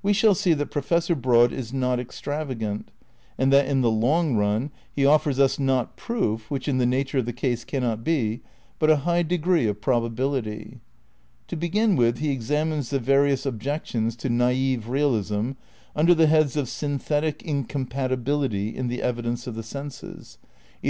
We shall see that Professor Broad is not extravagant ; and that in the long run he offers us, not proof, which in the nature of the case cannot be, but a high degree of probability. To begin with, he examines the various objections to najf realism under the heads of '' Synthetic Incom patibility" in the evidence of the senses, either of one ' Perception, Physics and Seality, p.